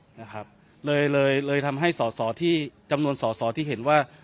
นะครับเลยเลยเลยเลยทำให้สอสอที่จำนวนสอสอที่เห็นว่า